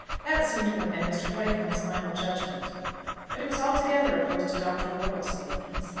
That seemed to have been Mr. Puddicombe's final judgment. But it was altogether opposed to Dr. Wortle's feelings.